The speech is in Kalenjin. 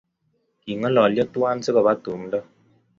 Kingalalyo tuwai asikoba tumdo